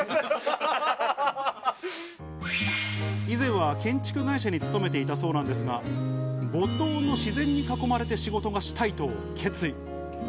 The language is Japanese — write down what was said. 以前は建築会社に勤めていたそうなんですが、五島の自然に囲まれて仕事がしたいと決意。